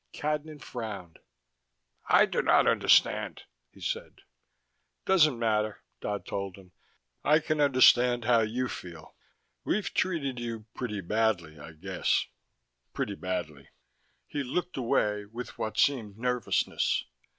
Cadnan frowned. "I do not understand," he said. "Doesn't matter," Dodd told him. "I can understand how you feel. We've treated you pretty badly, I guess. Pretty badly." He looked away with what seemed nervousness.